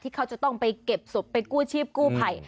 เขาจะต้องไปเก็บศพไปกู้ชีพกู้ภัย